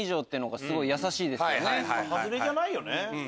ハズレじゃないよね